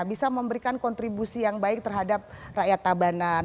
bisa memberikan kontribusi yang baik terhadap rakyat tabanan